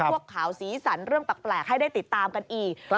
ข่าวสีสันเรื่องแปลกให้ได้ติดตามกันอีก